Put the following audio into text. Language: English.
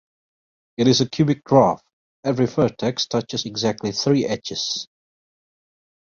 It is a cubic graph: every vertex touches exactly three edges.